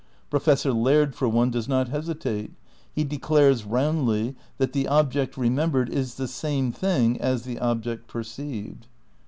Professor Laird, for one, does not hesitate. He declares roundly that the object remembered is the same thing as the object perceived.